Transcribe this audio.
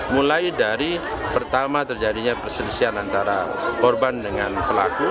mulai dari pertama terjadinya perselisihan antara korban dengan pelaku